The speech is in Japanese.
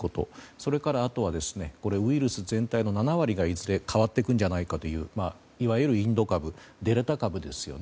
それから、あとはウイルス全体の７割がいずれ変わってくるんじゃないかといういわゆるインド株、デルタ株ですよね